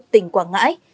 tỉnh quảng ngãi